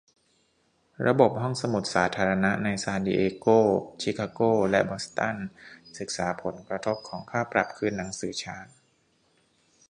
ระบบห้องสมุดสาธารณะในซานดิเอโก ชิคาโก และบอสตัน ศึกษาผลกระทบของค่าปรับคืนหนังสือช้า